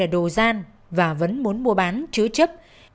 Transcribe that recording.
đồ gian và vẫn muốn mua bán chứa chấp